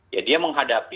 ya dia menghadapi